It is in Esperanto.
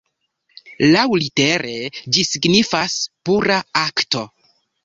Laŭlitere ĝi signifas "pura akto.